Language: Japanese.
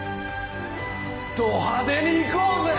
ど派手に行こうぜ！